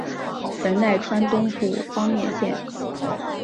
神奈川东部方面线。